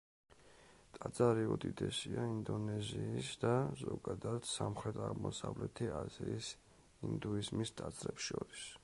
ტაძარი უდიდესია ინდონეზიის და ზოგადად, სამხრეთ-აღმოსავლეთი აზიის ინდუიზმის ტაძრებს შორის.